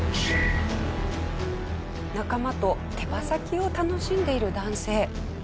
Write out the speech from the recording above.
仲間と手羽先を楽しんでいる男性。